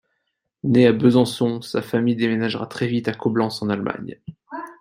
Née à Besançon, sa famille déménagera très vite à Coblence en Allemagne.